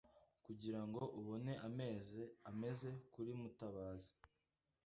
Kugirango ubone ameza kuri Mutabazi